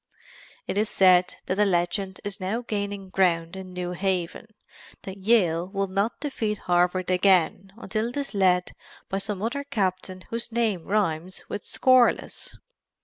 It is said that a legend is now gaining ground in New Haven that Yale will not defeat Harvard again until it is led by some other captain whose name rhymes with "scoreless."